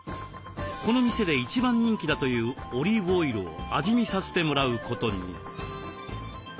この店で一番人気だというオリーブオイルを味見させてもらうことに。